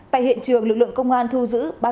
tại hiện trường lực lượng công an thu giữ